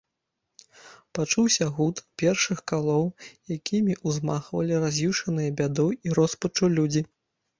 Пачуўся гуд першых калоў, якімі ўзмахвалі раз'юшаныя бядой і роспаччу людзі.